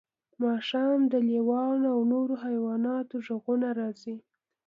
ماښام د لیوانو او نورو حیواناتو غږونه راځي